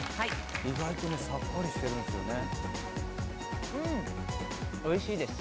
意外とねさっぱりしてるんですよね。